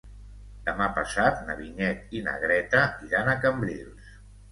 Demà passat na Vinyet i na Greta iran a Cambrils.